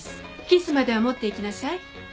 キスまでは持っていきなさい。